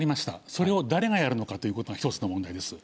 それを誰がやるのかということが１つの問題です。